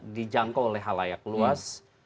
dijangkau oleh halayak luas